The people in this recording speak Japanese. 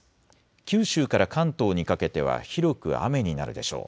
九州から関東にかけては広く雨になるでしょう。